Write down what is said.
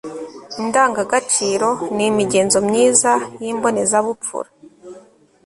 indangagaciro ni imigenzo myiza y'imbonezabupfura